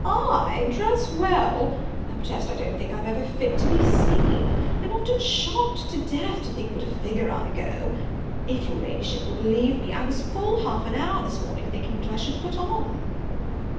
I dress well! I protest I don't think I'm ever fit to be seen! I'm often shocked to death to think what a figure I go. If your Ladyship will believe me, I was full half an hour this morning thinking what I should put on!"